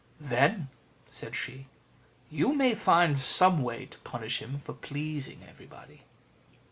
"Then," said she, "you may find some way to punish him for pleasing everybody."